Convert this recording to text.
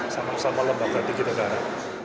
sama sama lembaga tinggi negara